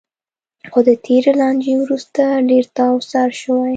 خو د تېرې لانجې وروسته ډېر تاوسر شوی.